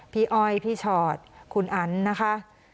พี่ออยพี่ชอดคุณอันนะคะ